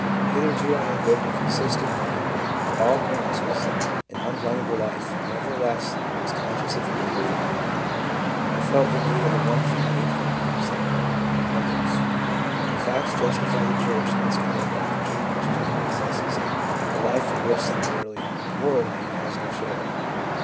Hitherto I had lived a consistent and, to all appearances, an unblamable life, nevertheless I was conscious of wrong within I felt the need of the 'one thing needful,' " etc. (Appendix). The facts justify the church in its claim that the true Christian possesses a life in which the merely moral man has no share.